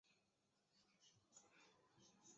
它是福建中学附属学校的一条龙中学。